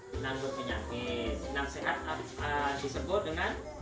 menanggut penyakit menanggut sehat disebut dengan